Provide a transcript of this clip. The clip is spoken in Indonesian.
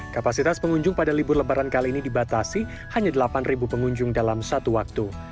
kapasitas pengunjung pada libur lebaran kali ini dibatasi hanya delapan pengunjung dalam satu waktu